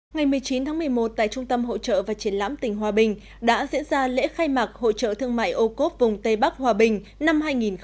ngày một mươi chín tháng một mươi một tại trung tâm hỗ trợ và triển lãm tỉnh hòa bình đã diễn ra lễ khai mạc hội trợ thương mại âu cốp vùng tây bắc hòa bình năm hai nghìn một mươi chín